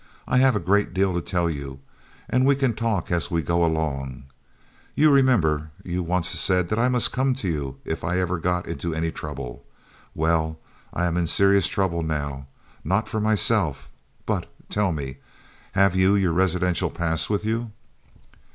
I have a great deal to tell you and we can talk as we go along. You remember you once said that I must come to you if ever I got into any trouble. Well, I am in serious trouble now not for myself but, tell me, have you your residential pass with you?"